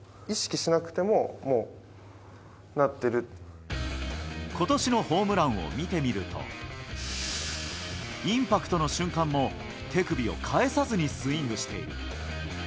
意識しなくても、もうなってことしのホームランを見てみると、インパクトの瞬間も手首を返さずにスイングしている。